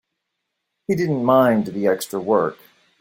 He didn't mind the extra work.